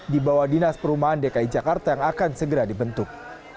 di bawah dinas perumahan dki jakarta yang akan segera dibentuk